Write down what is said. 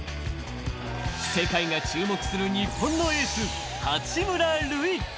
世界が注目する日本のエース、八村塁。